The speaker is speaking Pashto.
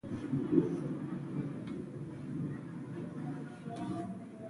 🐢 کېشپ